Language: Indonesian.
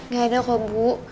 gak ada kok bu